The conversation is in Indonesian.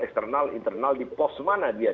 eksternal internal di pos mana dia